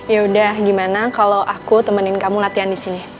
yaudah gimana kalau aku temenin kamu latihan disini